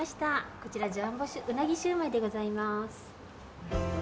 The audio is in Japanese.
こちらジャンボウナギシューマイでございます。